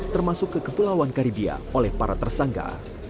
termasuk ke kepulauan karibia oleh para tersangka